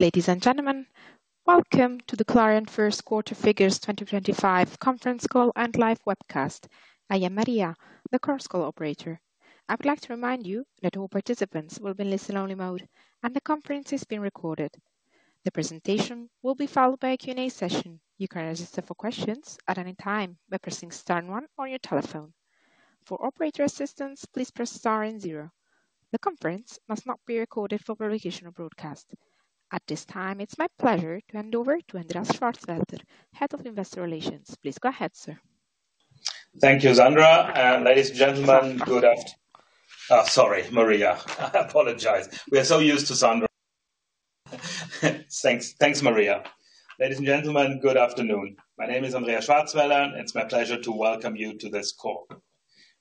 Ladies and gentlemen, welcome to the Clariant First Quarter Figures 2025 Conference Call and Live Webcast. I am Maria, the cross-call operator. I would like to remind you that all participants will be in listen-only mode, and the conference is being recorded. The presentation will be followed by a Q&A session. You can register for questions at any time by pressing Star 1 on your telephone. For operator assistance, please press Star and Zero. The conference must not be recorded for publication or broadcast. At this time, it's my pleasure to hand over to Andreas Schwarzwälder, Head of Investor Relations. Please go ahead, sir. Thank you, Sandra. Ladies and gentlemen, good afternoon. Sorry, Maria. I apologize. We are so used to Sandra. Thanks, Maria. Ladies and gentlemen, good afternoon. My name is Andreas Schwarzwälder, and it's my pleasure to welcome you to this call.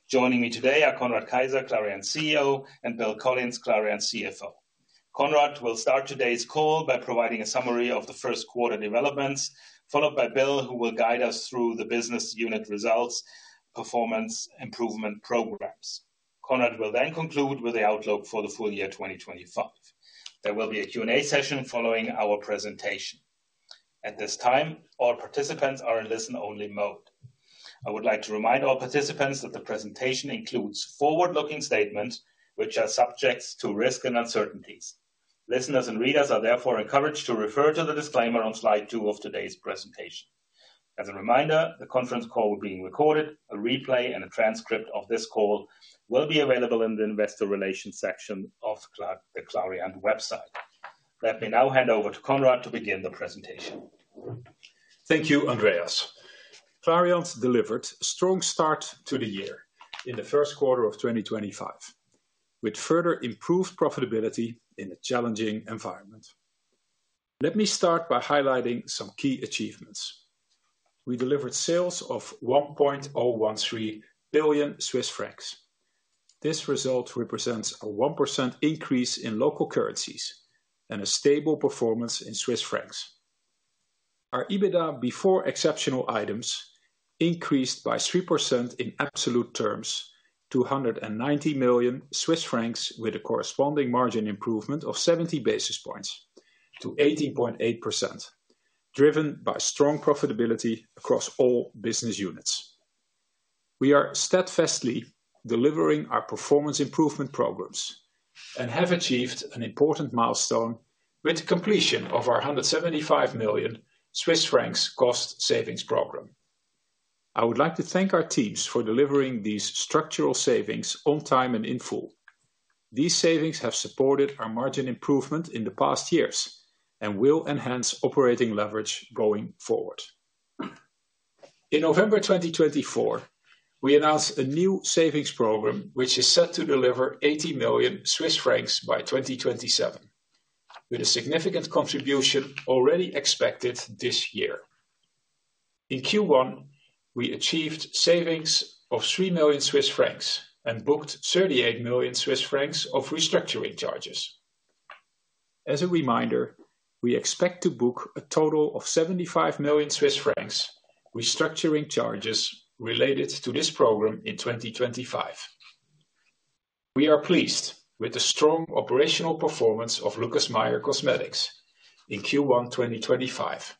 Joining me today are Conrad Keijzer, Clariant CEO, and Bill Collins, Clariant CFO. Conrad will start today's call by providing a summary of the first quarter developments, followed by Bill, who will guide us through the business unit results, performance improvement programs. Conrad will then conclude with the outlook for the full year 2025. There will be a Q&A session following our presentation. At this time, all participants are in listen-only mode. I would like to remind all participants that the presentation includes forward-looking statements which are subject to risk and uncertainties. Listeners and readers are therefore encouraged to refer to the disclaimer on slide two of today's presentation. As a reminder, the conference call will be recorded. A replay and a transcript of this call will be available in the investor relations section of the Clariant website. Let me now hand over to Conrad to begin the presentation. Thank you, Andreas. Clariant delivered a strong start to the year in the first quarter of 2025, with further improved profitability in a challenging environment. Let me start by highlighting some key achievements. We delivered sales of 1.013 billion Swiss francs. This result represents a 1% increase in local currencies and a stable performance in Swiss francs. Our EBITDA before exceptional items increased by 3% in absolute terms to 190 million Swiss francs, with a corresponding margin improvement of 70 basis points to 18.8%, driven by strong profitability across all business units. We are steadfastly delivering our performance improvement programs and have achieved an important milestone with the completion of our 175 million Swiss francs cost savings program. I would like to thank our teams for delivering these structural savings on time and in full. These savings have supported our margin improvement in the past years and will enhance operating leverage going forward. In November 2024, we announced a new savings program which is set to deliver 80 million Swiss francs by 2027, with a significant contribution already expected this year. In Q1, we achieved savings of 3 million Swiss francs and booked 38 million Swiss francs of restructuring charges. As a reminder, we expect to book a total of 75 million Swiss francs restructuring charges related to this program in 2025. We are pleased with the strong operational performance of Lucas Meyer Cosmetics in Q1 2025,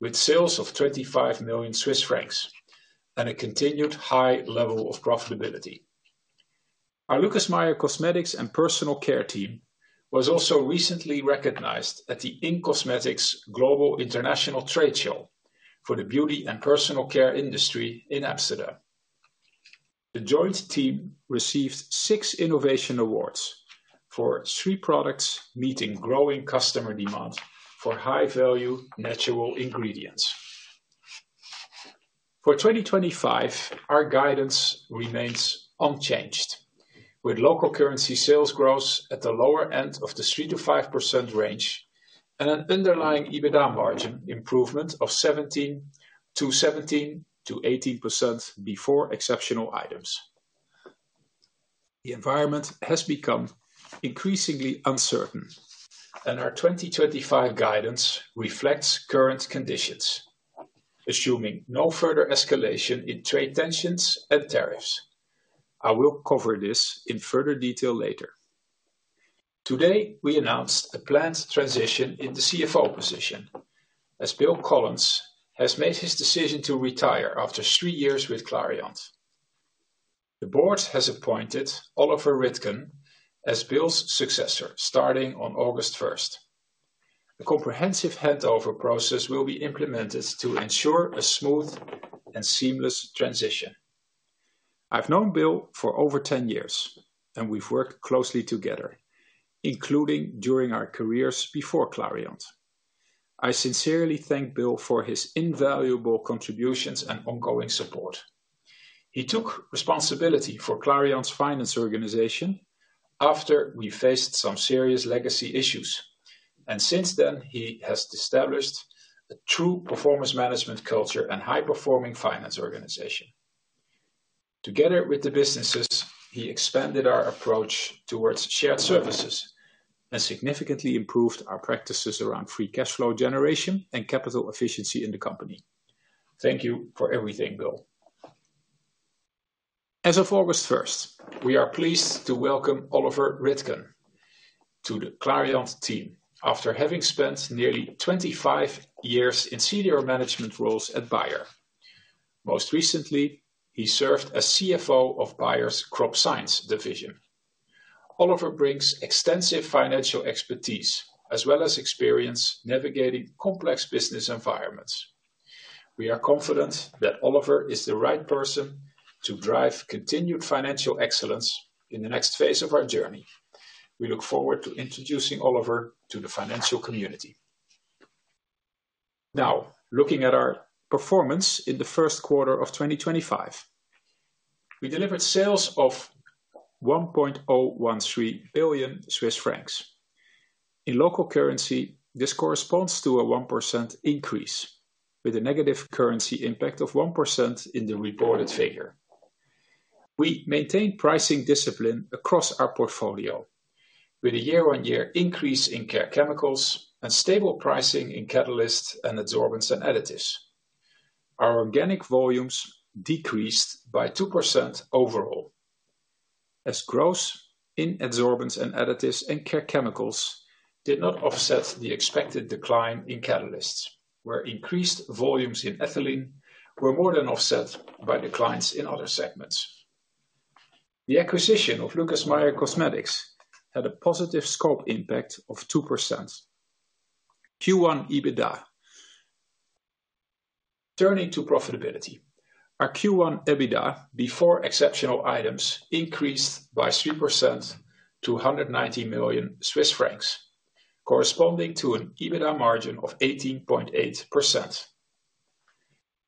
with sales of 25 million Swiss francs and a continued high level of profitability. Our Lucas Meyer Cosmetics and Personal Care team was also recently recognized at the In-cosmetics Global International Trade Show for the beauty and personal care industry in Amsterdam. The joint team received six innovation awards for three products meeting growing customer demand for high-value natural ingredients. For 2025, our guidance remains unchanged, with local currency sales growth at the lower end of the 3%-5% range and an underlying EBITDA margin improvement of 17%-18% before exceptional items. The environment has become increasingly uncertain, and our 2025 guidance reflects current conditions, assuming no further escalation in trade tensions and tariffs. I will cover this in further detail later. Today, we announced a planned transition in the CFO position, as Bill Collins has made his decision to retire after three years with Clariant. The board has appointed Oliver Rittgen as Bill's successor starting on August 1, 2025. A comprehensive handover process will be implemented to ensure a smooth and seamless transition. I've known Bill for over 10 years, and we've worked closely together, including during our careers before Clariant. I sincerely thank Bill for his invaluable contributions and ongoing support. He took responsibility for Clariant's finance organization after we faced some serious legacy issues, and since then, he has established a true performance management culture and high-performing finance organization. Together with the businesses, he expanded our approach towards shared services and significantly improved our practices around free cash flow generation and capital efficiency in the company. Thank you for everything, Bill. As of August 1, we are pleased to welcome Oliver Rittgen to the Clariant team after having spent nearly 25 years in senior management roles at Bayer. Most recently, he served as CFO of Bayer's Crop Science division. Oliver brings extensive financial expertise as well as experience navigating complex business environments. We are confident that Oliver is the right person to drive continued financial excellence in the next phase of our journey. We look forward to introducing Oliver to the financial community. Now, looking at our performance in the first quarter of 2025, we delivered sales of 1.013 billion Swiss francs. In local currency, this corresponds to a 1% increase, with a negative currency impact of 1% in the reported figure. We maintained pricing discipline across our portfolio, with a year-on-year increase in Care Chemicals and stable pricing in catalysts and Adsorbents and Additives. Our organic volumes decreased by 2% overall, as growth in Adsorbents and Additives and Care Chemicals did not offset the expected decline in catalysts, where increased volumes in ethylene were more than offset by declines in other segments. The acquisition of Lucas Meyer Cosmetics had a positive scope impact of 2%. Q1 EBITDA. Turning to profitability, our Q1 EBITDA before exceptional items increased by 3% to 190 million Swiss francs, corresponding to an EBITDA margin of 18.8%.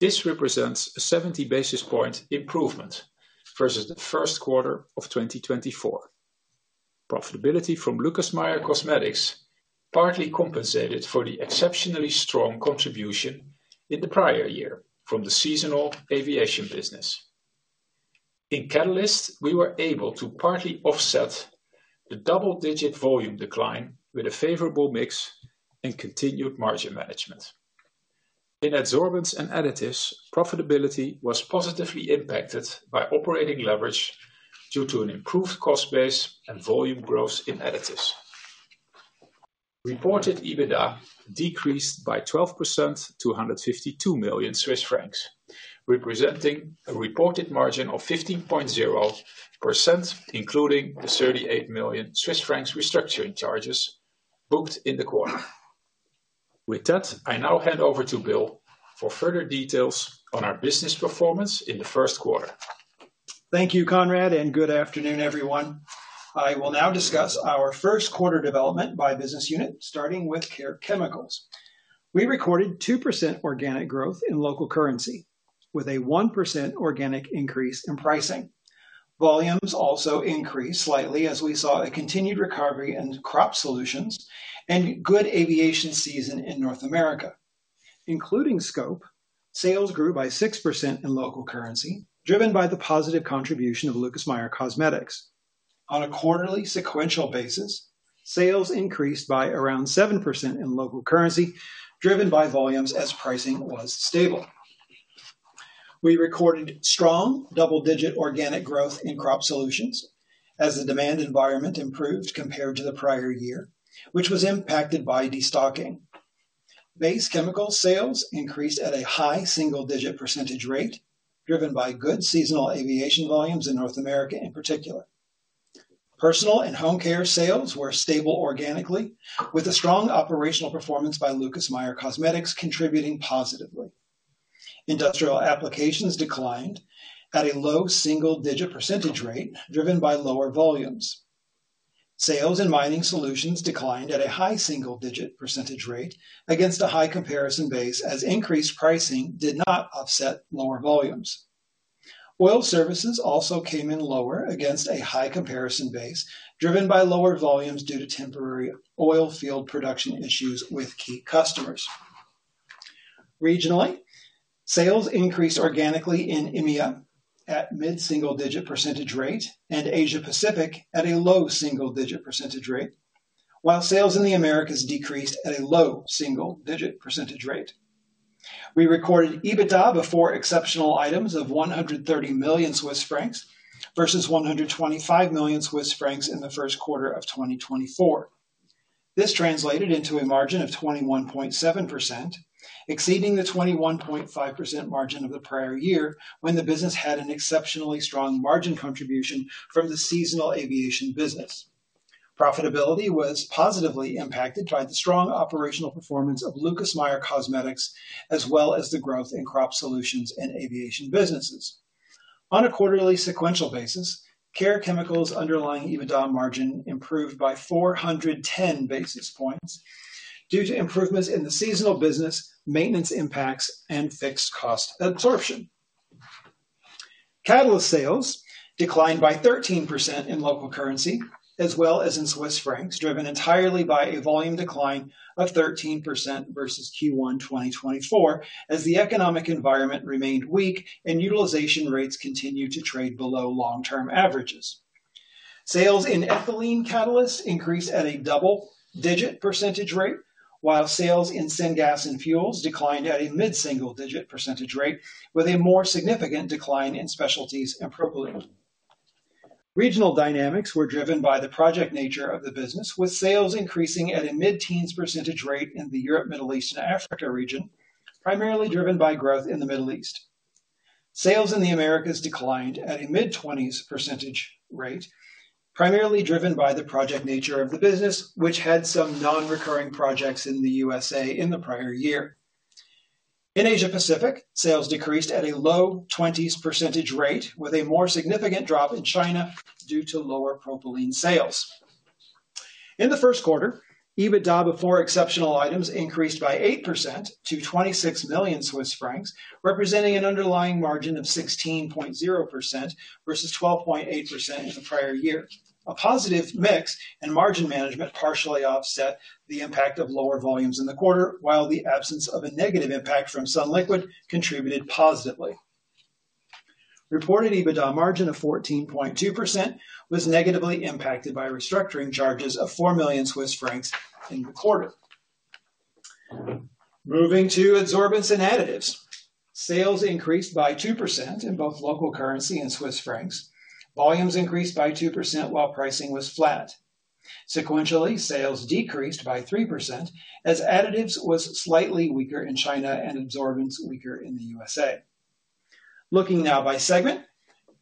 This represents a 70 basis point improvement versus the first quarter of 2024. Profitability from Lucas Meyer Cosmetics partly compensated for the exceptionally strong contribution in the prior year from the seasonal aviation business. In Catalysts, we were able to partly offset the double-digit volume decline with a favorable mix and continued margin management. In Adsorbents and Additives, profitability was positively impacted by operating leverage due to an improved cost base and volume growth in Additives. Reported EBITDA decreased by 12% to 152 million Swiss francs, representing a reported margin of 15.0%, including the 38 million Swiss francs restructuring charges booked in the quarter. With that, I now hand over to Bill for further details on our business performance in the first quarter. Thank you, Conrad, and good afternoon, everyone. I will now discuss our first quarter development by business unit, starting with Care Chemicals. We recorded 2% organic growth in local currency, with a 1% organic increase in pricing. Volumes also increased slightly as we saw a continued recovery in crop solutions and good aviation season in North America. Including scope, sales grew by 6% in local currency, driven by the positive contribution of Lucas Meyer Cosmetics. On a quarterly sequential basis, sales increased by around 7% in local currency, driven by volumes as pricing was stable. We recorded strong double-digit organic growth in crop solutions as the demand environment improved compared to the prior year, which was impacted by destocking. Base chemical sales increased at a high single-digit percentage rate, driven by good seasonal aviation volumes in North America in particular. Personal and Home Care sales were stable organically, with a strong operational performance by Lucas Meyer Cosmetics contributing positively. Industrial Applications declined at a low single-digit % rate, driven by lower volumes. Sales in Mining Solutions declined at a high single-digit percentage rate against a high comparison base as increased pricing did not offset lower volumes. Oil Services also came in lower against a high comparison base, driven by lower volumes due to temporary oil field production issues with key customers. Regionally, sales increased organically in EMEA at a mid-single-digit percentage rate and Asia-Pacific at a low single-digit percentage rate, while sales in the Americas decreased at a low single-digit percentage rate. We recorded EBITDA before exceptional items of 130 million Swiss francs versus 125 million Swiss francs in the first quarter of 2024. This translated into a margin of 21.7%, exceeding the 21.5% margin of the prior year when the business had an exceptionally strong margin contribution from the seasonal aviation business. Profitability was positively impacted by the strong operational performance of Lucas Meyer Cosmetics, as well as the growth in crop solutions and aviation businesses. On a quarterly sequential basis, Care Chemicals' underlying EBITDA margin improved by 410 basis points due to improvements in the seasonal business, maintenance impacts, and fixed cost absorption. Catalysts sales declined by 13% in local currency, as well as in Swiss francs, driven entirely by a volume decline of 13% versus Q1 2024, as the economic environment remained weak and utilization rates continued to trade below long-term averages. Sales in ethylene catalysts increased at a double-digit % rate, while sales in syngas and fuels declined at a mid-single-digit % rate, with a more significant decline in specialties and propylene. Regional dynamics were driven by the project nature of the business, with sales increasing at a mid-teens % rate in the Europe, Middle East, and Africa region, primarily driven by growth in the Middle East. Sales in the Americas declined at a mid-20s % rate, primarily driven by the project nature of the business, which had some non-recurring projects in the USA in the prior year. In Asia-Pacific, sales decreased at a low 20s % rate, with a more significant drop in China due to lower propylene sales. In the first quarter, EBITDA before exceptional items increased by 8% to 26 million Swiss francs, representing an underlying margin of 16.0% versus 12.8% in the prior year. A positive mix and margin management partially offset the impact of lower volumes in the quarter, while the absence of a negative impact from sunliquid contributed positively. Reported EBITDA margin of 14.2% was negatively impacted by restructuring charges of 4 million Swiss francs in the quarter. Moving to Adsorbents and Additives, sales increased by 2% in both local currency and Swiss francs. Volumes increased by 2% while pricing was flat. Sequentially, sales decreased by 3% as additives were slightly weaker in China and adsorbents weaker in the USA. Looking now by segment,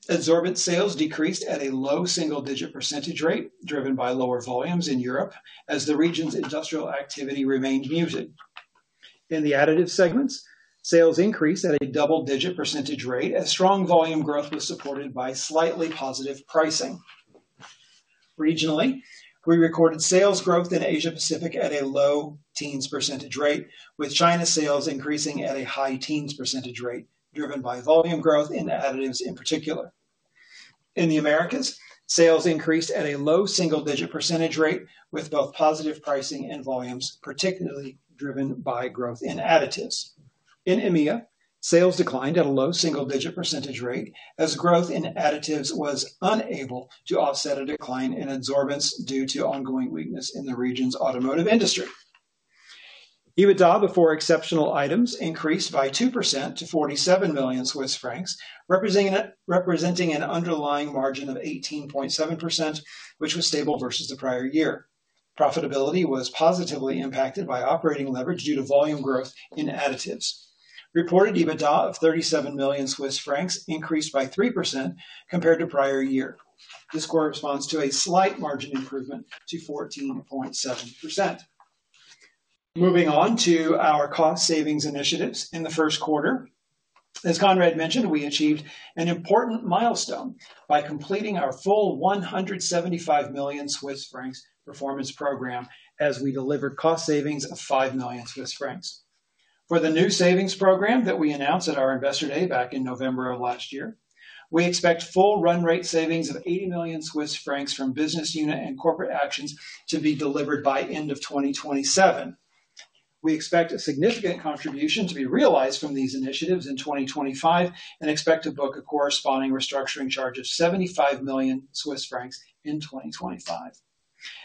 adsorbent sales decreased at a low single-digit percentage rate, driven by lower volumes in Europe as the region's industrial activity remained muted. In the additive segments, sales increased at a double-digit percentage rate as strong volume growth was supported by slightly positive pricing. Regionally, we recorded sales growth in Asia-Pacific at a low teens % rate, with China sales increasing at a high teens % rate, driven by volume growth in additives in particular. In the Americas, sales increased at a low single-digit % rate with both positive pricing and volumes, particularly driven by growth in additives. In EMEA, sales declined at a low single-digit % rate as growth in additives was unable to offset a decline in adsorbents due to ongoing weakness in the region's automotive industry. EBITDA before exceptional items increased by 2% to 47 million Swiss francs, representing an underlying margin of 18.7%, which was stable versus the prior year. Profitability was positively impacted by operating leverage due to volume growth in additives. Reported EBITDA of 37 million Swiss francs increased by 3% compared to prior year. This corresponds to a slight margin improvement to 14.7%. Moving on to our cost savings initiatives in the first quarter. As Conrad mentioned, we achieved an important milestone by completing our full 175 million Swiss francs performance program as we delivered cost savings of 5 million Swiss francs. For the new savings program that we announced at our Investor Day back in November of last year, we expect full run rate savings of 80 million Swiss francs from business unit and corporate actions to be delivered by end of 2027. We expect a significant contribution to be realized from these initiatives in 2025 and expect to book a corresponding restructuring charge of 75 million Swiss francs in 2025.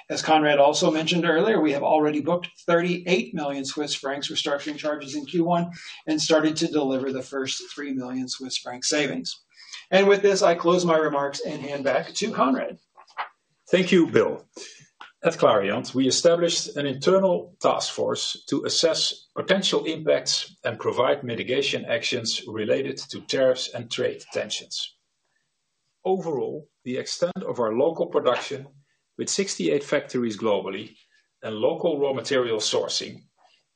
As Conrad also mentioned earlier, we have already booked 38 million Swiss francs restructuring charges in Q1 and started to deliver the first 3 million Swiss franc savings. With this, I close my remarks and hand back to Conrad. Thank you, Bill. At Clariant, we established an internal task force to assess potential impacts and provide mitigation actions related to tariffs and trade tensions. Overall, the extent of our local production with 68 factories globally and local raw material sourcing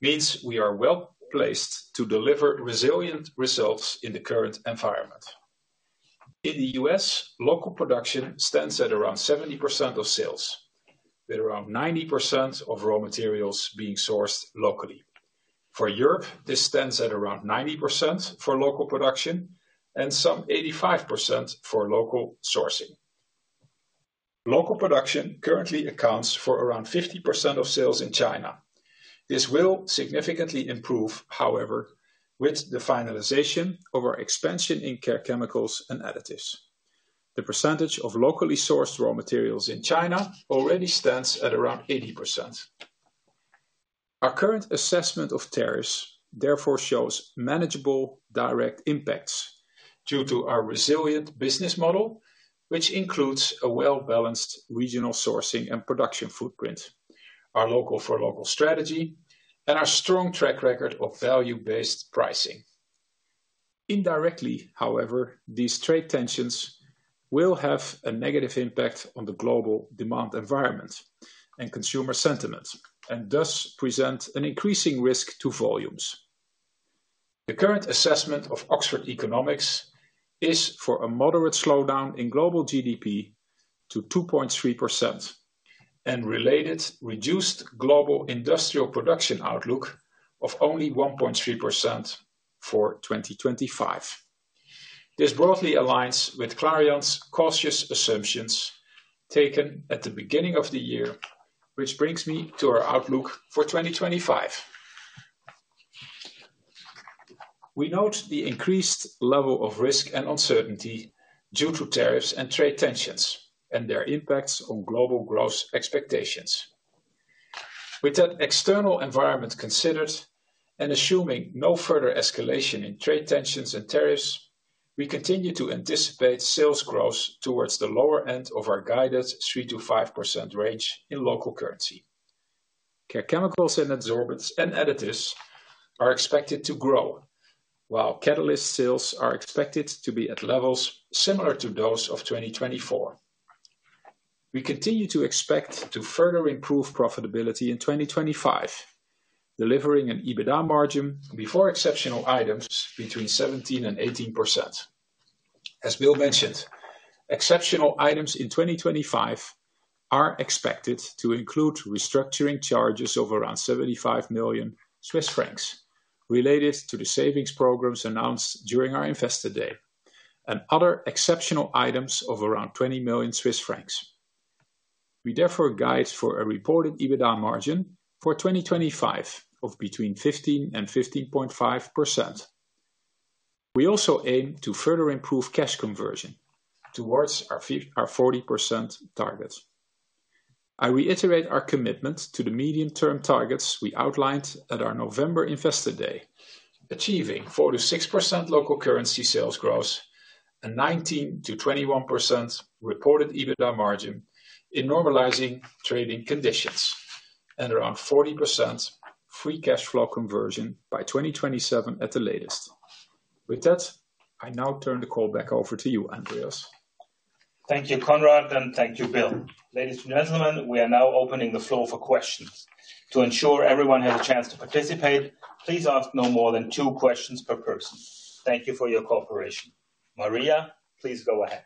means we are well placed to deliver resilient results in the current environment. In the U.S., local production stands at around 70% of sales, with around 90% of raw materials being sourced locally. For Europe, this stands at around 90% for local production and some 85% for local sourcing. Local production currently accounts for around 50% of sales in China. This will significantly improve, however, with the finalization of our expansion in Care Chemicals and additives. The percentage of locally sourced raw materials in China already stands at around 80%. Our current assessment of tariffs therefore shows manageable direct impacts due to our resilient business model, which includes a well-balanced regional sourcing and production footprint, our local-for-local strategy, and our strong track record of value-based pricing. Indirectly, however, these trade tensions will have a negative impact on the global demand environment and consumer sentiment, and thus present an increasing risk to volumes. The current assessment of Oxford Economics is for a moderate slowdown in global GDP to 2.3% and related reduced global industrial production outlook of only 1.3% for 2025. This broadly aligns with Clariant's cautious assumptions taken at the beginning of the year, which brings me to our outlook for 2025. We note the increased level of risk and uncertainty due to tariffs and trade tensions and their impacts on global growth expectations. With that external environment considered and assuming no further escalation in trade tensions and tariffs, we continue to anticipate sales growth towards the lower end of our guided 3%-5% range in local currency. Care Chemicals and Adsorbents and Additives are expected to grow, while catalyst sales are expected to be at levels similar to those of 2024. We continue to expect to further improve profitability in 2025, delivering an EBITDA margin before exceptional items between 17% and 18%. As Bill mentioned, exceptional items in 2025 are expected to include restructuring charges of around 75 million Swiss francs related to the savings programs announced during our investor day and other exceptional items of around 20 million Swiss francs. We therefore guide for a reported EBITDA margin for 2025 of between 15% and 15.5%. We also aim to further improve cash conversion towards our 40% target. I reiterate our commitment to the medium-term targets we outlined at our November investor day, achieving 4%-6% local currency sales growth, a 19%-21% reported EBITDA margin in normalizing trading conditions, and around 40% free cash flow conversion by 2027 at the latest. With that, I now turn the call back over to you, Andreas. Thank you, Conrad, and thank you, Bill. Ladies and gentlemen, we are now opening the floor for questions. To ensure everyone has a chance to participate, please ask no more than two questions per person. Thank you for your cooperation. Maria, please go ahead.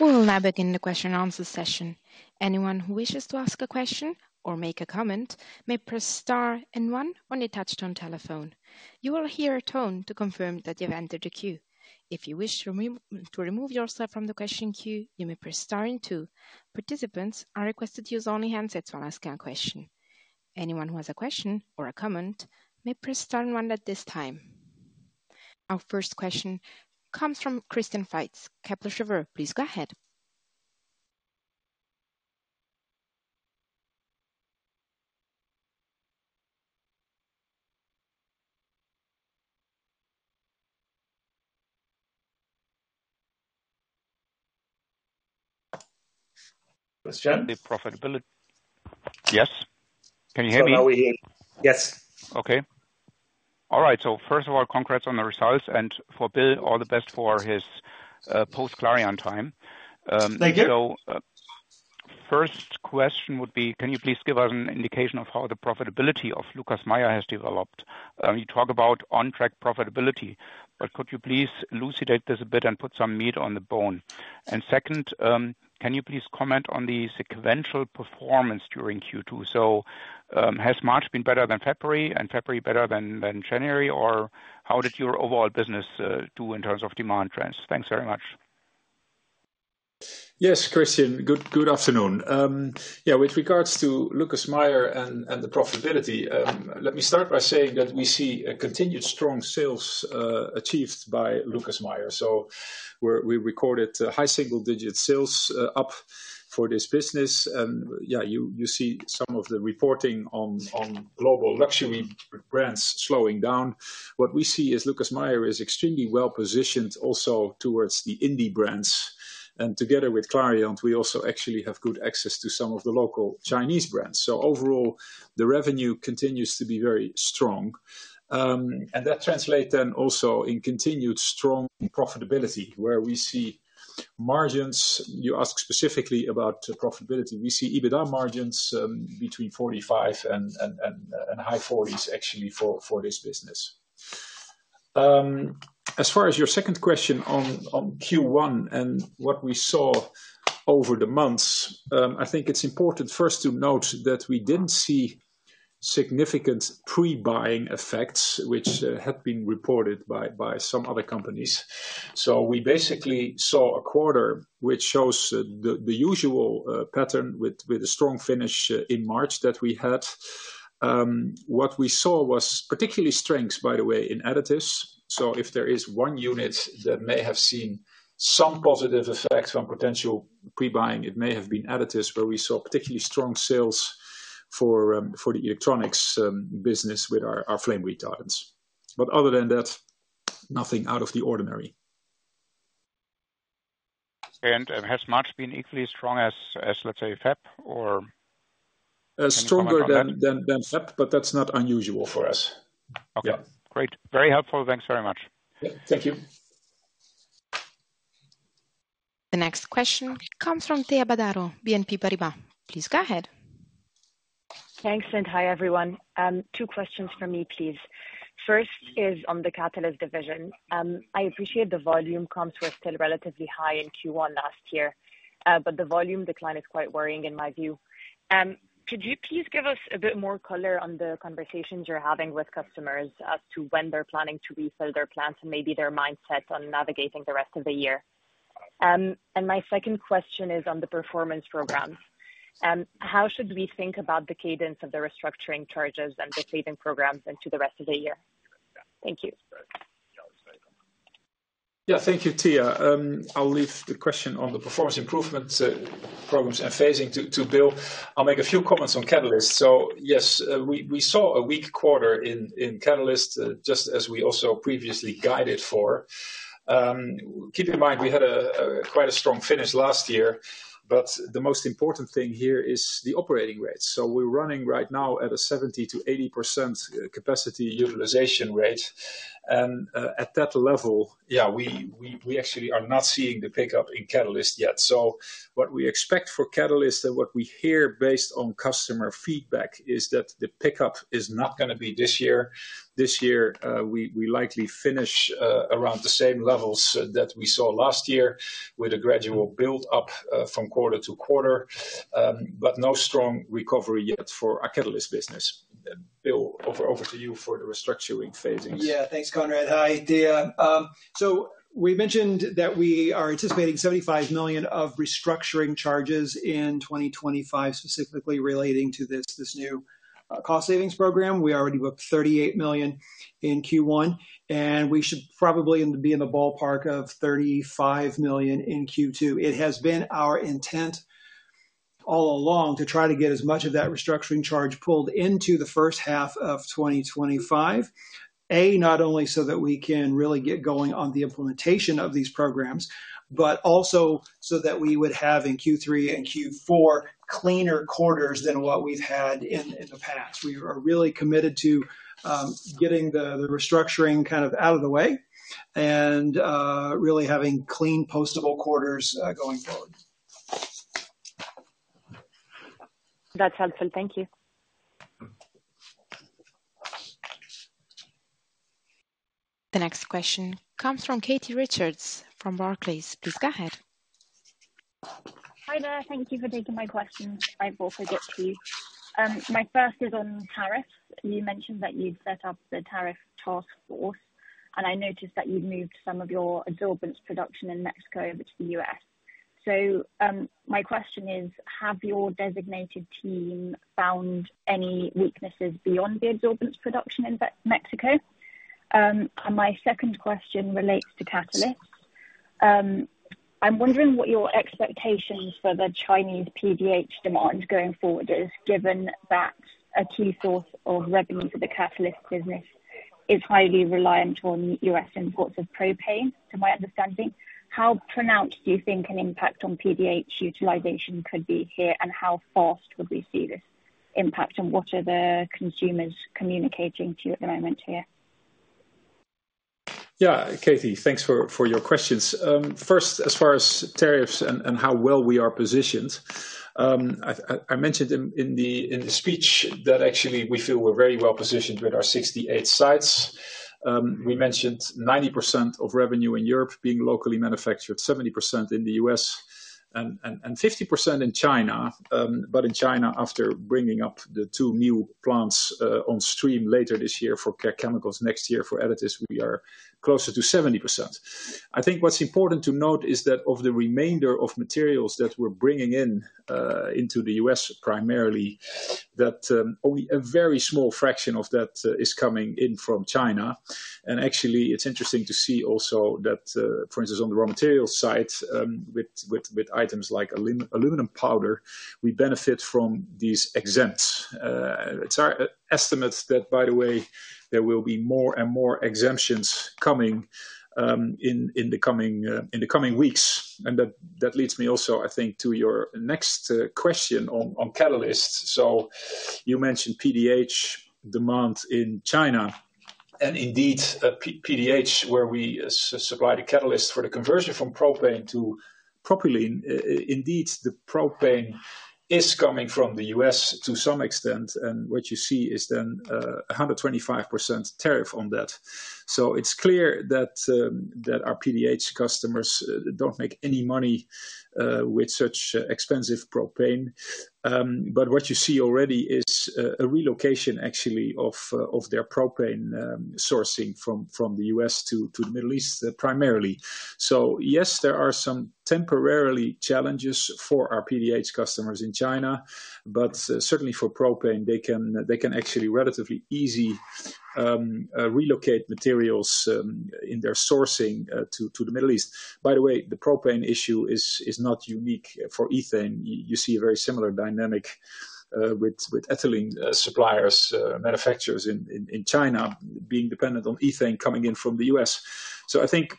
We will now begin the question-and-answer session. Anyone who wishes to ask a question or make a comment may press star and one on the touch-tone telephone. You will hear a tone to confirm that you've entered a queue. If you wish to remove yourself from the question queue, you may press star and two. Participants are requested to use only handsets while asking a question. Anyone who has a question or a comment may press star and one at this time. Our first question comes from Christian Faitz, Kepler Cheuvreux. Please go ahead. Christian. Profitability. Yes. Can you hear me? Yes. All right. First of all, congrats on the results. For Bill, all the best for his post-Clariant time. Thank you. First question would be, can you please give us an indication of how the profitability of Lucas Meyer has developed? You talk about on-track profitability, but could you please elucidate this a bit and put some meat on the bone? Second, can you please comment on the sequential performance during Q2? Has March been better than February and February better than January, or how did your overall business do in terms of demand trends? Thanks very much. Yes, Christian, good afternoon. Yeah, with regards to Lucas Meyer and the profitability, let me start by saying that we see a continued strong sales achieved by Lucas Meyer. We recorded high single-digit sales up for this business. Yeah, you see some of the reporting on global luxury brands slowing down. What we see is Lucas Meyer is extremely well positioned also towards the indie brands. Together with Clariant, we also actually have good access to some of the local Chinese brands. Overall, the revenue continues to be very strong. That translates then also in continued strong profitability, where we see margins. You asked specifically about profitability. We see EBITDA margins between 45% and high 40s actually for this business. As far as your second question on Q1 and what we saw over the months, I think it's important first to note that we didn't see significant pre-buying effects, which had been reported by some other companies. We basically saw a quarter, which shows the usual pattern with a strong finish in March that we had. What we saw was particularly strengths, by the way, in additives. If there is one unit that may have seen some positive effects from potential pre-buying, it may have been additives, where we saw particularly strong sales for the electronics business with our flame retardants. Other than that, nothing out of the ordinary. Has March been equally strong as, let's say, Feb or? Stronger than Feb, but that's not unusual for us. Okay. Great. Very helpful. Thanks very much. Thank you. The next question comes from Thea Badaro, BNP Paribas. Please go ahead. Thanks. Hi, everyone. Two questions for me, please. First is on the Catalysts division. I appreciate the volume comps were still relatively high in Q1 last year, but the volume decline is quite worrying in my view. Could you please give us a bit more color on the conversations you're having with customers as to when they're planning to refill their plants and maybe their mindset on navigating the rest of the year? My second question is on the performance programs. How should we think about the cadence of the restructuring charges and the saving programs into the rest of the year? Thank you. Yeah, thank you, Thea. I'll leave the question on the performance improvement programs and phasing to Bill. I'll make a few comments on catalysts. Yes, we saw a weak quarter in catalysts, just as we also previously guided for. Keep in mind, we had quite a strong finish last year, but the most important thing here is the operating rates. We're running right now at a 70%-80% capacity utilization rate. At that level, yeah, we actually are not seeing the pickup in catalysts yet. What we expect for catalysts and what we hear based on customer feedback is that the pickup is not going to be this year. This year, we likely finish around the same levels that we saw last year with a gradual build-up from quarter-to-quarter, but no strong recovery yet for our catalyst business. Bill, over to you for the restructuring phasing. Yeah, thanks, Conrad. Hi, Thea. We mentioned that we are anticipating 75 million of restructuring charges in 2025, specifically relating to this new cost savings program. We already booked 38 million in Q1, and we should probably be in the ballpark of 35 million in Q2. It has been our intent all along to try to get as much of that restructuring charge pulled into the first half of 2025, A, not only so that we can really get going on the implementation of these programs, but also so that we would have in Q3 and Q4 cleaner quarters than what we've had in the past. We are really committed to getting the restructuring kind of out of the way and really having clean postable quarters going forward. That's helpful. Thank you. The next question comes from Katie Richards from Barclays. Please go ahead. Hi, there. Thank you for taking my questions. I will forget to. My first is on tariffs. You mentioned that you'd set up the tariff task force, and I noticed that you've moved some of your adsorbents production in Mexico into the U.S. My question is, have your designated team found any weaknesses beyond the adsorbents production in Mexico? My second question relates to catalysts. I'm wondering what your expectations for the Chinese PDH demand going forward is, given that a key source of revenue for the catalyst business is highly reliant on US imports of propane. To my understanding, how pronounced do you think an impact on PDH utilization could be here, and how fast would we see this impact, and what are the consumers communicating to you at the moment here? Yeah, Katie, thanks for your questions. First, as far as tariffs and how well we are positioned, I mentioned in the speech that actually we feel we're very well positioned with our 68 sites. We mentioned 90% of revenue in Europe being locally manufactured, 70% in the US, and 50% in China. In China, after bringing up the two new plants on stream later this year for Care Chemicals and next year for additives, we are closer to 70%. I think what's important to note is that of the remainder of materials that we're bringing in into the US primarily, only a very small fraction of that is coming in from China. Actually, it's interesting to see also that, for instance, on the raw materials side with items like aluminum powder, we benefit from these exempts. It's our estimate that, by the way, there will be more and more exemptions coming in the coming weeks. That leads me also, I think, to your next question on catalysts. You mentioned PDH demand in China. Indeed, PDH, where we supply the catalyst for the conversion from propane to propylene, the propane is coming from the US to some extent. What you see is then a 125% tariff on that. It's clear that our PDH customers do not make any money with such expensive propane. What you see already is a relocation actually of their propane sourcing from the US to the Middle East primarily. Yes, there are some temporary challenges for our PDH customers in China, but certainly for propane, they can actually relatively easily relocate materials in their sourcing to the Middle East. By the way, the propane issue is not unique for ethane. You see a very similar dynamic with ethylene suppliers, manufacturers in China being dependent on ethane coming in from the U.S. I think,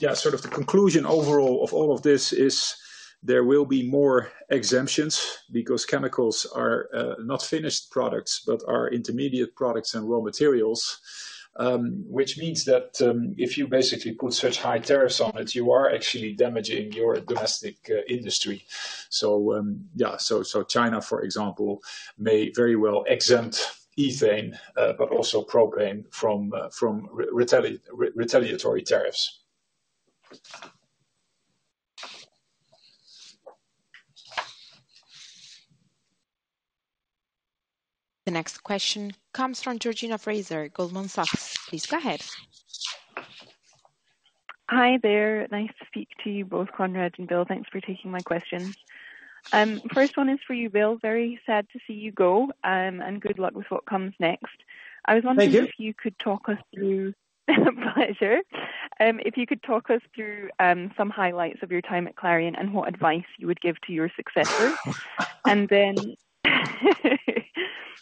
yeah, sort of the conclusion overall of all of this is there will be more exemptions because chemicals are not finished products, but are intermediate products and raw materials, which means that if you basically put such high tariffs on it, you are actually damaging your domestic industry. China, for example, may very well exempt ethane, but also propane from retaliatory tariffs. The next question comes from Georgina Fraser, Goldman Sachs. Please go ahead. Hi there. Nice to speak to you both, Conrad and Bill. Thanks for taking my questions. First one is for you, Bill. Very sad to see you go, and good luck with what comes next. I was wondering if you could talk us through. Thank you. Pleasure. If you could talk us through some highlights of your time at Clariant and what advice you would give to your successor.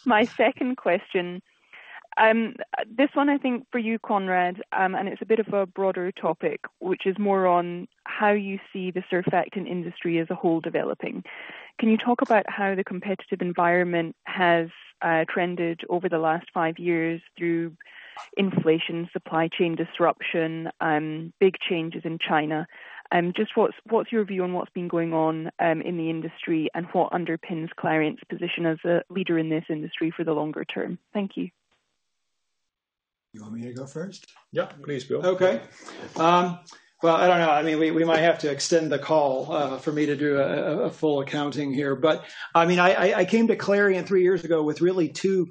My second question, this one I think for you, Conrad, and it is a bit of a broader topic, which is more on how you see the surfactant industry as a whole developing. Can you talk about how the competitive environment has trended over the last five years through inflation, supply chain disruption, big changes in China? Just what is your view on what has been going on in the industry and what underpins Clariant's position as a leader in this industry for the longer term? Thank you. You want me to go first? Yeah, please, Bill. Okay. I do not know. I mean, we might have to extend the call for me to do a full accounting here. I mean, I came to Clariant three years ago with really two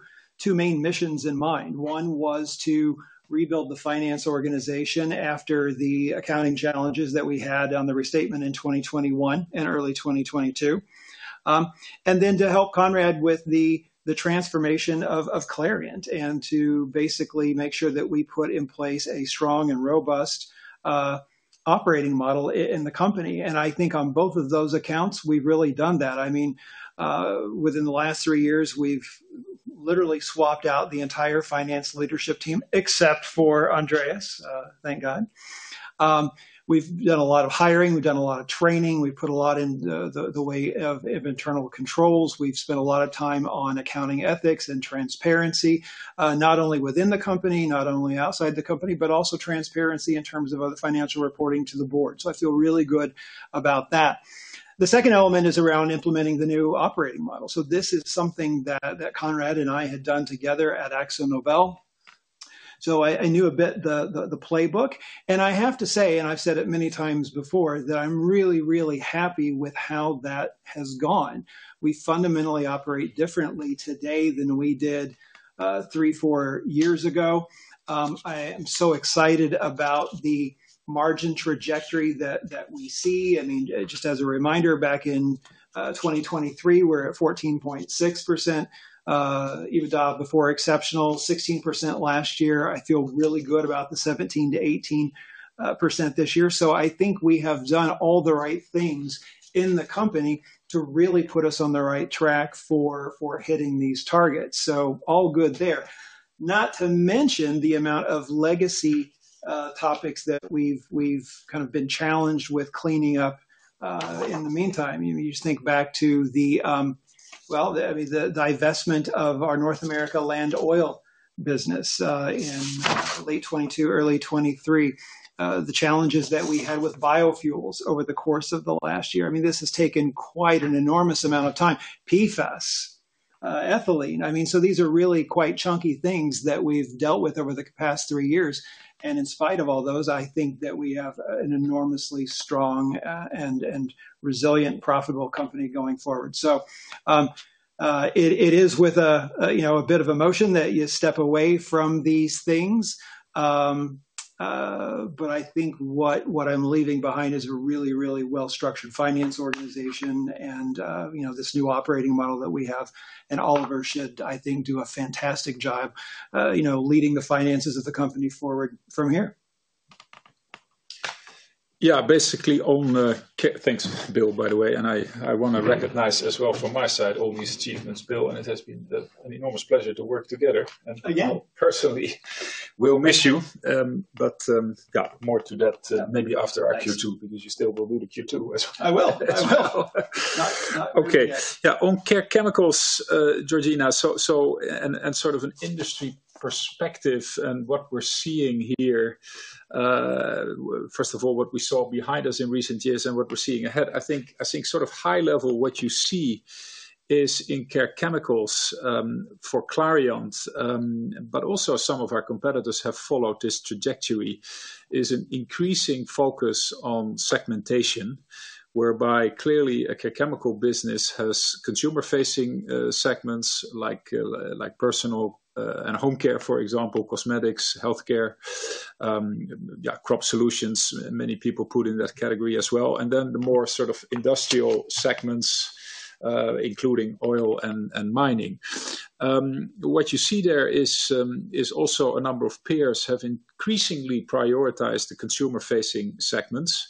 main missions in mind. One was to rebuild the finance organization after the accounting challenges that we had on the restatement in 2021 and early 2022. Then to help Conrad with the transformation of Clariant and to basically make sure that we put in place a strong and robust operating model in the company. I think on both of those accounts, we have really done that. I mean, within the last three years, we have literally swapped out the entire finance leadership team, except for Andreas. Thank God. We have done a lot of hiring. We have done a lot of training. We have put a lot in the way of internal controls. We've spent a lot of time on accounting ethics and transparency, not only within the company, not only outside the company, but also transparency in terms of financial reporting to the board. I feel really good about that. The second element is around implementing the new operating model. This is something that Conrad and I had done together at AkzoNobel. I knew a bit the playbook. I have to say, and I've said it many times before, that I'm really, really happy with how that has gone. We fundamentally operate differently today than we did three, four years ago. I am so excited about the margin trajectory that we see. I mean, just as a reminder, back in 2023, we were at 14.6% EBITDA before exceptional, 16% last year. I feel really good about the 17%-18% this year. I think we have done all the right things in the company to really put us on the right track for hitting these targets. All good there. Not to mention the amount of legacy topics that we've kind of been challenged with cleaning up in the meantime. You just think back to the, I mean, the divestment of our North America land oil business in late 2022, early 2023, the challenges that we had with biofuels over the course of the last year. I mean, this has taken quite an enormous amount of time. PFAS, ethylene. I mean, these are really quite chunky things that we've dealt with over the past three years. In spite of all those, I think that we have an enormously strong and resilient, profitable company going forward. It is with a bit of emotion that you step away from these things. I think what I'm leaving behind is a really, really well-structured finance organization. This new operating model that we have, and Oliver should, I think, do a fantastic job leading the finances of the company forward from here. Yeah, basically on the thanks, Bill, by the way. I want to recognize as well from my side all these achievements, Bill, and it has been an enormous pleasure to work together. Personally, we'll miss you. More to that maybe after our Q2, because you still will do the Q2 as well. I will. Okay. Yeah, on Care Chemicals, Georgina, and sort of an industry perspective and what we're seeing here, first of all, what we saw behind us in recent years and what we're seeing ahead, I think sort of high level what you see is in Care Chemicals for Clariant, but also some of our competitors have followed this trajectory, is an increasing focus on segmentation, whereby clearly a care chemical business has consumer-facing segments like personal and home care, for example, cosmetics, healthcare, yeah, crop solutions. Many people put in that category as well. Then the more sort of industrial segments, including oil and mining. What you see there is also a number of peers have increasingly prioritized the consumer-facing segments.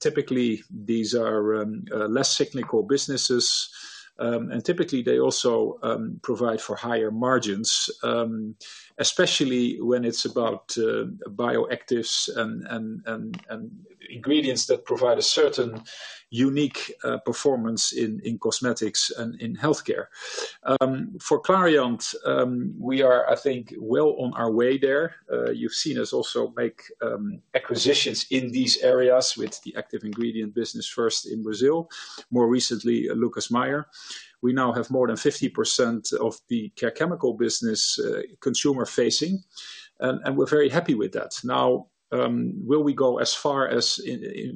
Typically, these are less cyclical businesses. Typically, they also provide for higher margins, especially when it's about bioactives and ingredients that provide a certain unique performance in cosmetics and in healthcare. For Clariant, we are, I think, well on our way there. You've seen us also make acquisitions in these areas with the active ingredient business first in Brazil, more recently, Lucas Meyer. We now have more than 50% of the care chemical business consumer-facing, and we're very happy with that. Now, will we go as far as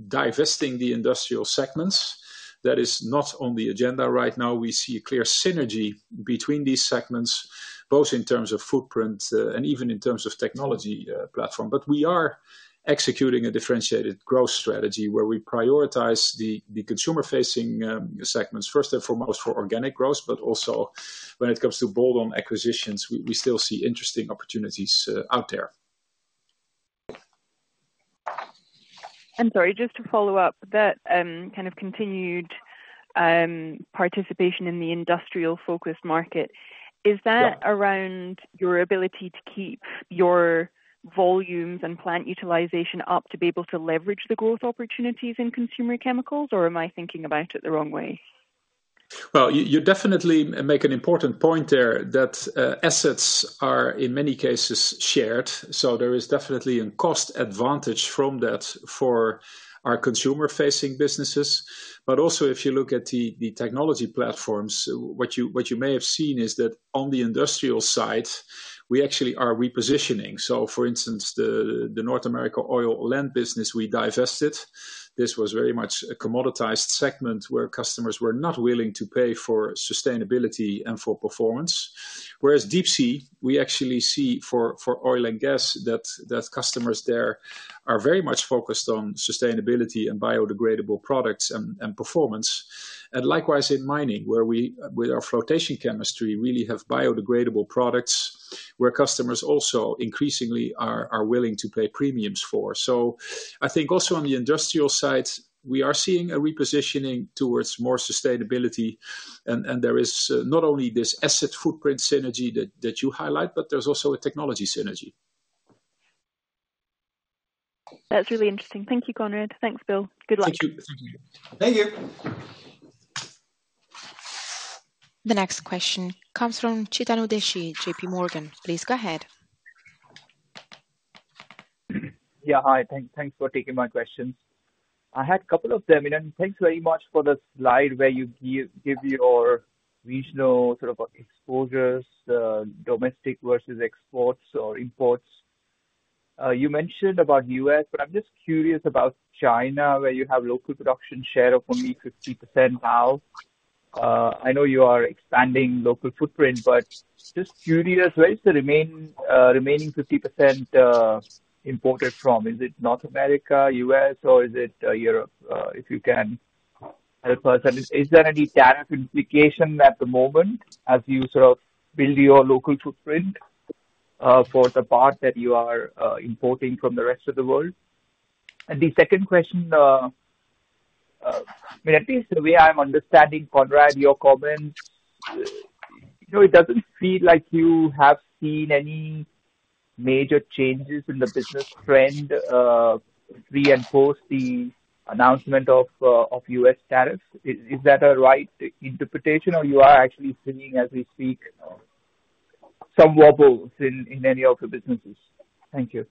divesting the industrial segments? That is not on the agenda right now. We see a clear synergy between these segments, both in terms of footprint and even in terms of technology platform. We are executing a differentiated growth strategy where we prioritize the consumer-facing segments, first and foremost for organic growth, but also when it comes to bolt-on acquisitions, we still see interesting opportunities out there. I'm sorry, just to follow up, that kind of continued participation in the industrial-focused market, is that around your ability to keep your volumes and plant utilization up to be able to leverage the growth opportunities in consumer chemicals, or am I thinking about it the wrong way? You definitely make an important point there that assets are in many cases shared. There is definitely a cost advantage from that for our consumer-facing businesses. Also, if you look at the technology platforms, what you may have seen is that on the industrial side, we actually are repositioning. For instance, the North America oil and land business, we divested. This was very much a commoditized segment where customers were not willing to pay for sustainability and for performance. Whereas deep sea, we actually see for oil and gas that customers there are very much focused on sustainability and biodegradable products and performance. Likewise in mining, where we with our flotation chemistry really have biodegradable products where customers also increasingly are willing to pay premiums for. I think also on the industrial side, we are seeing a repositioning towards more sustainability. There is not only this asset footprint synergy that you highlight, but there is also a technology synergy. That's really interesting. Thank you, Conrad. Thanks, Bill. Good luck. Thank you. The next question comes from Chetan Udeshi, JP Morgan. Please go ahead. Yeah, hi. Thanks for taking my questions. I had a couple of them. Thanks very much for the slide where you give your regional sort of exposures, domestic versus exports or imports. You mentioned about the U.S., but I'm just curious about China, where you have a local production share of only 50% now. I know you are expanding local footprint, but just curious, where is the remaining 50% imported from? Is it North America, U.S., or is it Europe? If you can help us, is there any tariff implication at the moment as you sort of build your local footprint for the part that you are importing from the rest of the world? The second question, I mean, at least the way I'm understanding, Conrad, your comments, it doesn't feel like you have seen any major changes in the business trend pre and post the announcement of U.S. tariffs. Is that a right interpretation, or you are actually seeing, as we speak, some wobbles in any of your businesses? Thank you.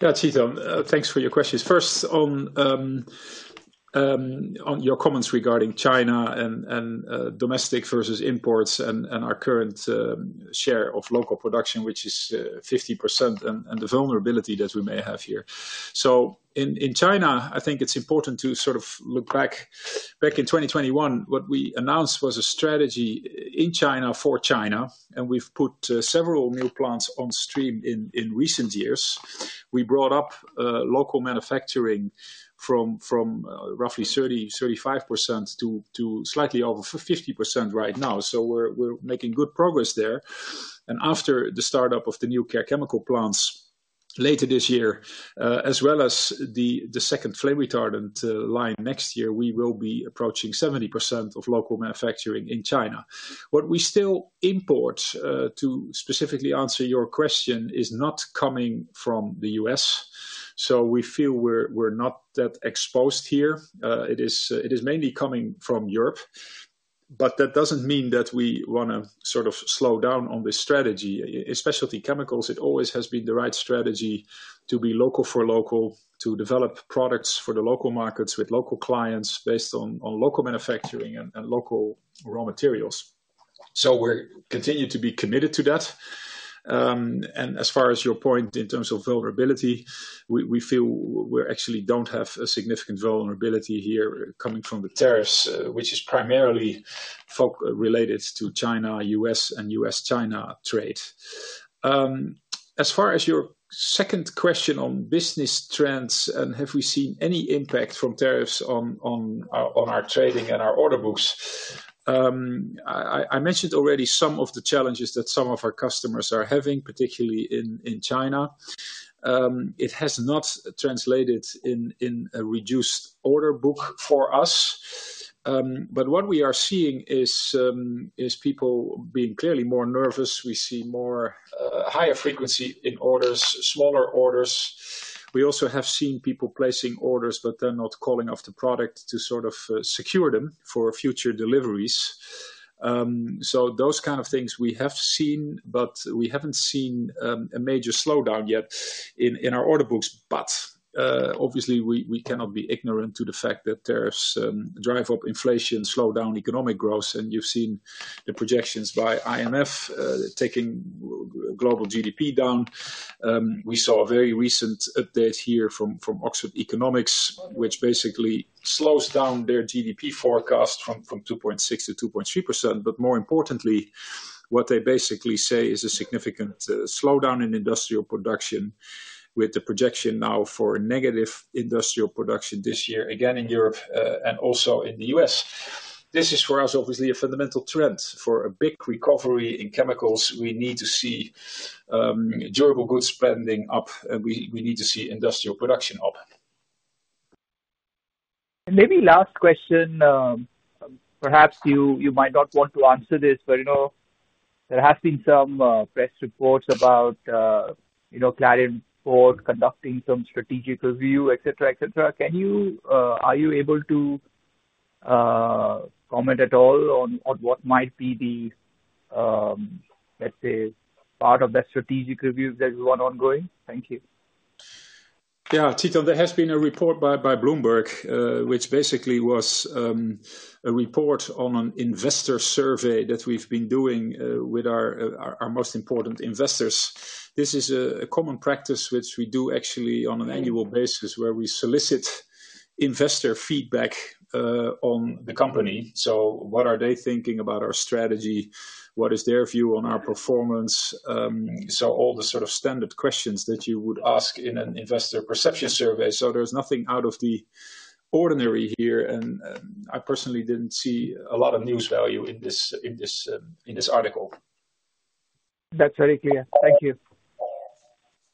Yeah, Chetan, thanks for your questions. First, on your comments regarding China and domestic versus imports and our current share of local production, which is 50%, and the vulnerability that we may have here. In China, I think it's important to sort of look back. Back in 2021, what we announced was a strategy in China for China, and we've put several new plants on stream in recent years. We brought up local manufacturing from roughly 30%-35% to slightly over 50% right now. We're making good progress there. After the startup of the new care chemical plants later this year, as well as the second flame retardant line next year, we will be approaching 70% of local manufacturing in China. What we still import, to specifically answer your question, is not coming from the U.S. We feel we're not that exposed here. It is mainly coming from Europe. That does not mean that we want to sort of slow down on this strategy. In specialty chemicals, it always has been the right strategy to be local for local, to develop products for the local markets with local clients based on local manufacturing and local raw materials. We continue to be committed to that. As far as your point in terms of vulnerability, we feel we actually do not have a significant vulnerability here coming from the tariffs, which is primarily related to China, U.S., and U.S.-China trade. As far as your second question on business trends, and have we seen any impact from tariffs on our trading and our order books? I mentioned already some of the challenges that some of our customers are having, particularly in China. It has not translated in a reduced order book for us. What we are seeing is people being clearly more nervous. We see higher frequency in orders, smaller orders. We also have seen people placing orders, but they're not calling off the product to sort of secure them for future deliveries. Those kind of things we have seen, but we haven't seen a major slowdown yet in our order books. Obviously, we cannot be ignorant to the fact that there's drive-up inflation, slowdown economic growth, and you've seen the projections by IMF taking global GDP down. We saw a very recent update here from Oxford Economics, which basically slows down their GDP forecast from 2.6%-2.3%. More importantly, what they basically say is a significant slowdown in industrial production, with the projection now for a negative industrial production this year, again in Europe and also in the U.S. This is for us, obviously, a fundamental trend. For a big recovery in chemicals, we need to see durable goods spending up, and we need to see industrial production up. Maybe last question, perhaps you might not want to answer this, but there has been some press reports about Clariant for conducting some strategic review, etc., etc. Are you able to comment at all on what might be the, let's say, part of that strategic review that you want ongoing? Thank you. Yeah, Chetan, there has been a report by Bloomberg, which basically was a report on an investor survey that we've been doing with our most important investors. This is a common practice which we do actually on an annual basis, where we solicit investor feedback on the company. What are they thinking about our strategy? What is their view on our performance? All the sort of standard questions that you would ask in an investor perception survey. There is nothing out of the ordinary here. I personally didn't see a lot of news value in this article. That's very clear. Thank you.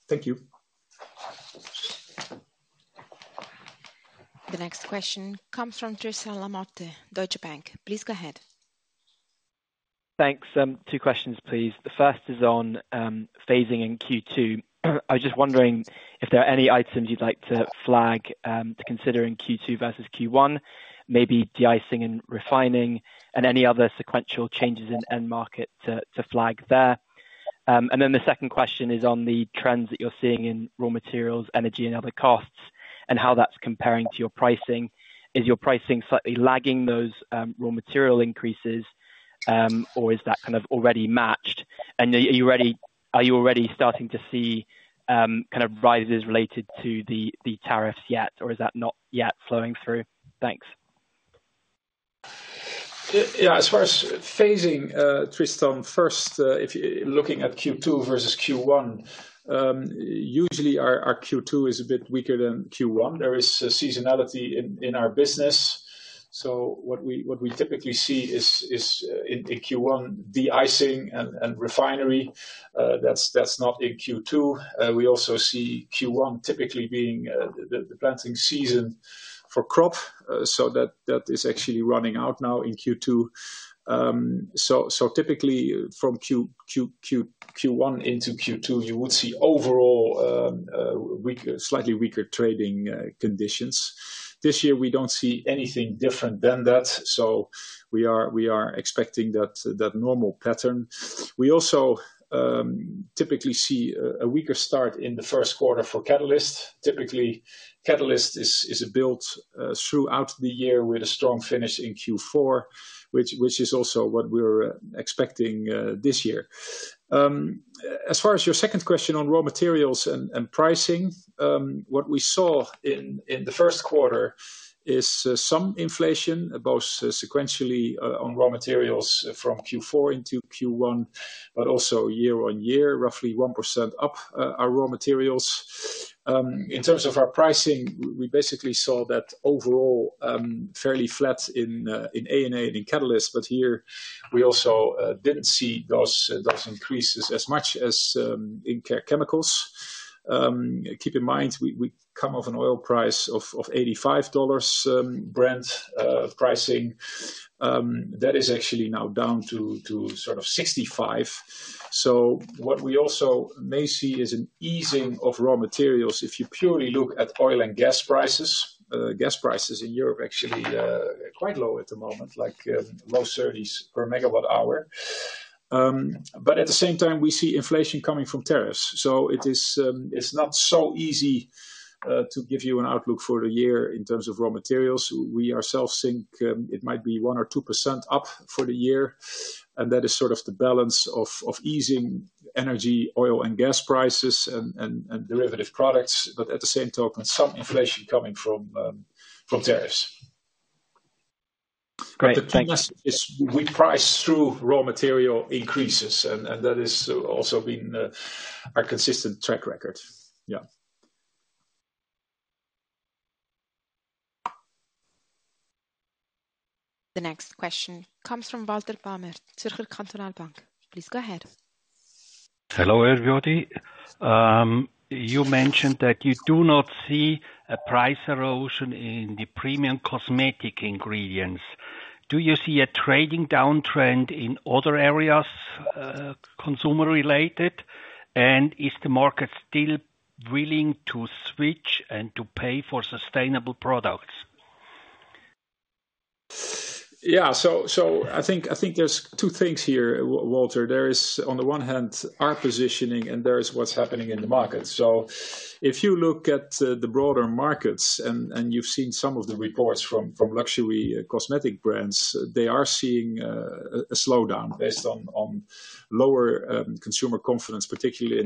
Thank you. The next question comes from Tristan Lamotte, Deutsche Bank. Please go ahead. Thanks. Two questions, please. The first is on phasing in Q2. I was just wondering if there are any items you'd like to flag to consider in Q2 versus Q1, maybe de-icing and refining, and any other sequential changes in end market to flag there. The second question is on the trends that you're seeing in raw materials, energy, and other costs, and how that's comparing to your pricing. Is your pricing slightly lagging those raw material increases, or is that kind of already matched? Are you already starting to see kind of rises related to the tariffs yet, or is that not yet flowing through? Thanks. Yeah, as far as phasing, Tristan, first, if you're looking at Q2 versus Q1, usually our Q2 is a bit weaker than Q1. There is seasonality in our business. What we typically see is in Q1, de-icing and refinery. That's not in Q2. We also see Q1 typically being the planting season for crop. That is actually running out now in Q2. Typically, from Q1 into Q2, you would see overall slightly weaker trading conditions. This year, we don't see anything different than that. We are expecting that normal pattern. We also typically see a weaker start in the first quarter for Catalyst. Typically, Catalyst is built throughout the year with a strong finish in Q4, which is also what we're expecting this year. As far as your second question on raw materials and pricing, what we saw in the first quarter is some inflation, both sequentially on raw materials from Q4 into Q1, but also year on year, roughly 1% up our raw materials. In terms of our pricing, we basically saw that overall fairly flat in A&A and in Catalysts. Here, we also did not see those increases as much as in Care Chemicals. Keep in mind, we come off an oil price of $85 Brent pricing. That is actually now down to sort of $65. What we also may see is an easing of raw materials if you purely look at oil and gas prices. Gas prices in Europe are actually quite low at the moment, like low 30s per MWh. At the same time, we see inflation coming from tariffs. It is not so easy to give you an outlook for the year in terms of raw materials. We ourselves think it might be 1% or 2% up for the year. That is sort of the balance of easing energy, oil, and gas prices and derivative products, but at the same time, some inflation coming from tariffs. The thing is we price through raw material increases, and that has also been our consistent track record. Yeah. The next question comes from Walter Bamert, Zürcher Kantonalbank. Please go ahead. Hello, everybody. You mentioned that you do not see a price erosion in the premium cosmetic ingredients. Do you see a trading downtrend in other areas consumer-related? Is the market still willing to switch and to pay for sustainable products? Yeah. I think there's two things here, Walter. There is, on the one hand, our positioning, and there is what's happening in the market. If you look at the broader markets, and you've seen some of the reports from luxury cosmetic brands, they are seeing a slowdown based on lower consumer confidence, particularly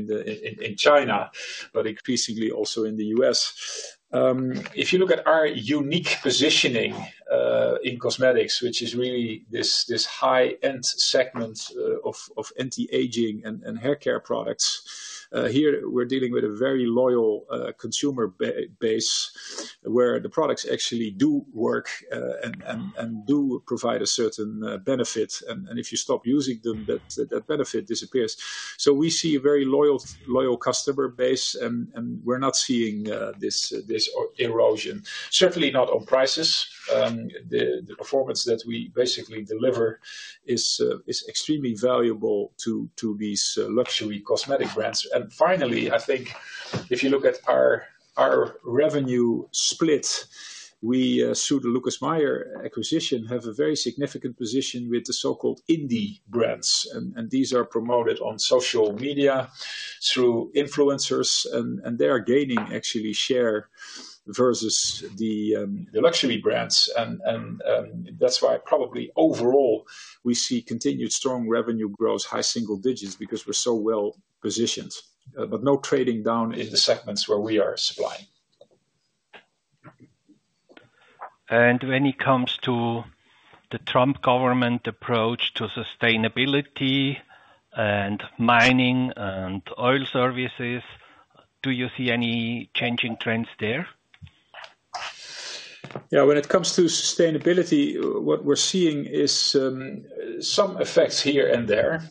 in China, but increasingly also in the U.S. If you look at our unique positioning in cosmetics, which is really this high-end segment of anti-aging and hair care products, here we're dealing with a very loyal consumer base where the products actually do work and do provide a certain benefit. If you stop using them, that benefit disappears. We see a very loyal customer base, and we're not seeing this erosion. Certainly not on prices. The performance that we basically deliver is extremely valuable to these luxury cosmetic brands. Finally, I think if you look at our revenue split, we, since the Lucas Meyer acquisition, have a very significant position with the so-called indie brands. These are promoted on social media through influencers, and they are gaining actually share versus the luxury brands. That is why probably overall, we see continued strong revenue growth, high single digits, because we are so well positioned, but no trading down in the segments where we are supplying. When it comes to the Trump government approach to sustainability and mining and oil services, do you see any changing trends there? Yeah. When it comes to sustainability, what we're seeing is some effects here and there,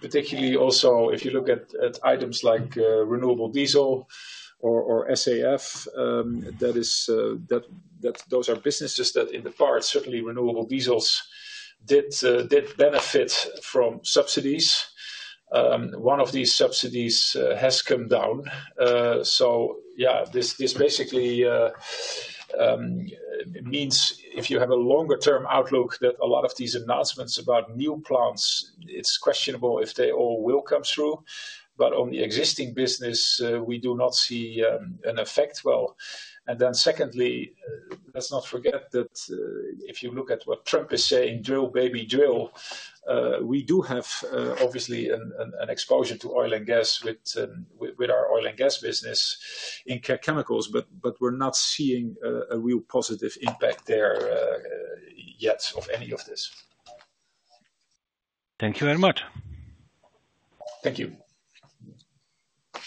particularly also if you look at items like renewable diesel or SAF, that those are businesses that in the past, certainly renewable diesel did benefit from subsidies. One of these subsidies has come down. This basically means if you have a longer-term outlook that a lot of these announcements about new plants, it's questionable if they all will come through. On the existing business, we do not see an effect. Secondly, let's not forget that if you look at what Trump is saying, drill, baby, drill, we do have obviously an exposure to oil and gas with our oil and gas business in Care Chemicals, but we're not seeing a real positive impact there yet of any of this. Thank you very much. Thank you.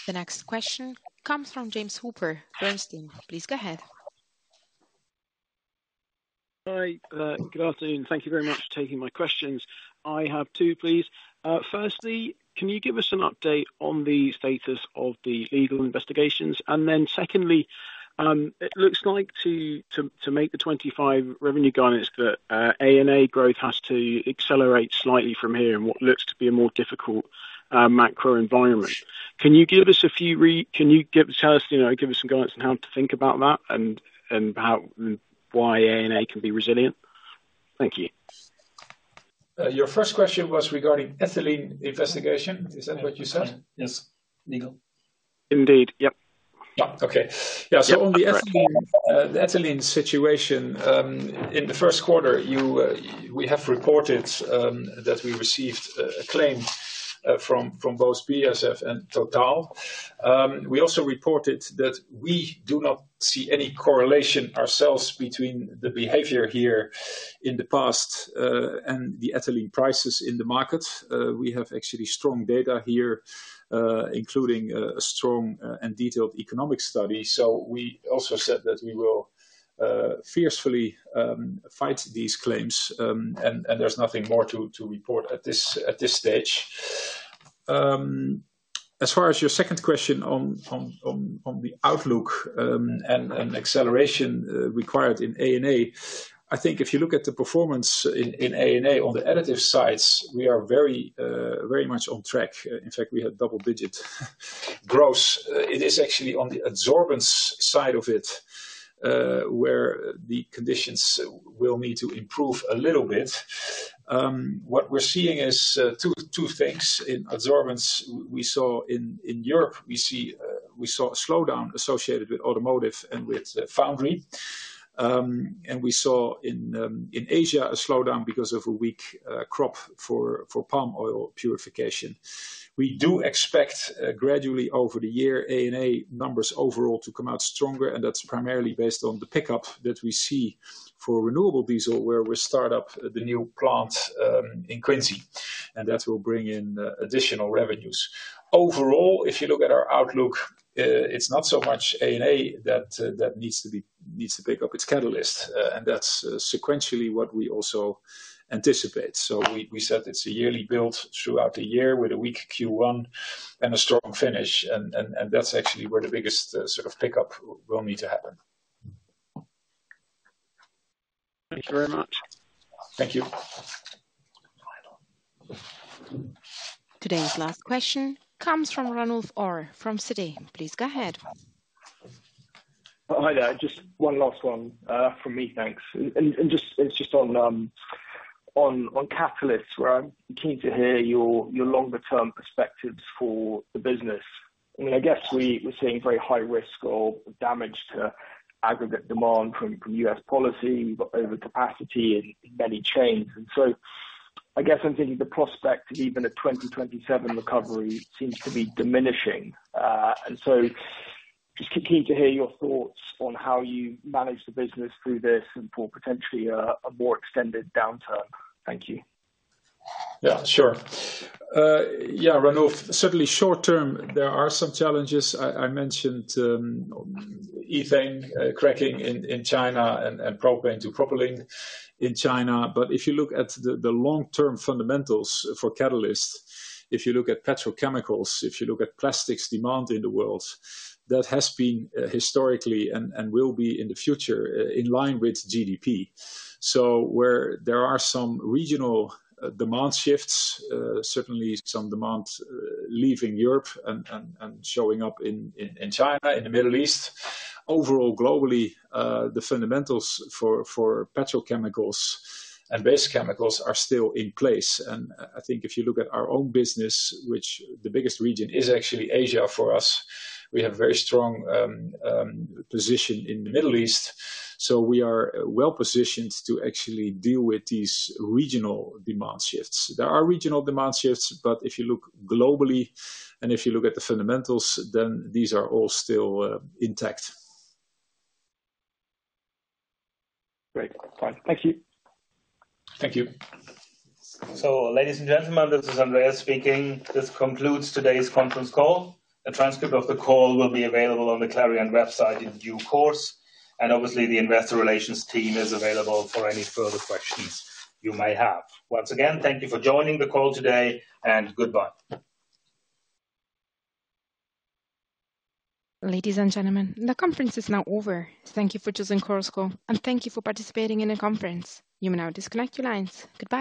The next question comes from James Hooper, Bernstein. Please go ahead. Hi. Good afternoon. Thank you very much for taking my questions. I have two, please. Firstly, can you give us an update on the status of the legal investigations? Secondly, it looks like to make the 2025 revenue guidance that A&A growth has to accelerate slightly from here in what looks to be a more difficult macro environment. Can you give us a few, can you tell us, give us some guidance on how to think about that and why A&A can be resilient? Thank you. Your first question was regarding ethylene investigation. Is that what you said? Yes. Legal. Indeed. Yep. Yeah. Okay. Yeah. On the ethylene situation, in the first quarter, we have reported that we received a claim from both BASF and Total. We also reported that we do not see any correlation ourselves between the behavior here in the past and the ethylene prices in the market. We have actually strong data here, including a strong and detailed economic study. We also said that we will fiercely fight these claims, and there is nothing more to report at this stage. As far as your second question on the outlook and acceleration required in A&A, I think if you look at the performance in A&A on the additive sides, we are very much on track. In fact, we had double-digit growth. It is actually on the adsorbents side of it where the conditions will need to improve a little bit. What we are seeing is two things in adsorbents. We saw in Europe, we saw a slowdown associated with automotive and with foundry. We saw in Asia a slowdown because of a weak crop for palm oil purification. We do expect gradually over the year, A&A numbers overall to come out stronger, and that's primarily based on the pickup that we see for renewable diesel where we start up the new plant in Quincy, and that will bring in additional revenues. Overall, if you look at our outlook, it's not so much A&A that needs to pick up, it's Catalyst, and that's sequentially what we also anticipate. We said it's a yearly build throughout the year with a weak Q1 and a strong finish, and that's actually where the biggest sort of pickup will need to happen. Thank you very much. Thank you. Today's last question comes from Ranulf Orr from Citi. Please go ahead. Hi there. Just one last one from me, thanks. It is just on Catalyst, where I am keen to hear your longer-term perspectives for the business. I mean, I guess we are seeing very high risk of damage to aggregate demand from U.S. policy, overcapacity in many chains. I guess I am thinking the prospect of even a 2027 recovery seems to be diminishing. I am just keen to hear your thoughts on how you manage the business through this and for potentially a more extended downturn. Thank you. Yeah, sure. Yeah, Ranulf, certainly short term, there are some challenges. I mentioned ethane cracking in China and propane to propylene in China. If you look at the long-term fundamentals for Catalysts, if you look at petrochemicals, if you look at plastics demand in the world, that has been historically and will be in the future in line with GDP. Where there are some regional demand shifts, certainly some demand leaving Europe and showing up in China, in the Middle East, overall globally, the fundamentals for petrochemicals and base chemicals are still in place. I think if you look at our own business, which the biggest region is actually Asia for us, we have a very strong position in the Middle East. We are well positioned to actually deal with these regional demand shifts. There are regional demand shifts, but if you look globally and if you look at the fundamentals, then these are all still intact. Great. Thank you. Thank you. Ladies and gentlemen, this is Andreas speaking. This concludes today's conference call. A transcript of the call will be available on the Clariant website in due course. Obviously, the investor relations team is available for any further questions you may have. Once again, thank you for joining the call today and goodbye. Ladies and gentlemen, the conference is now over. Thank you for choosing Chorus Call, and thank you for participating in the conference. You may now disconnect your lines. Goodbye.